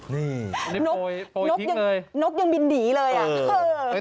นี่นกยังบินหนีเลย